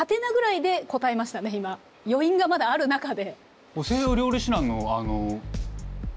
余韻がまだある中で。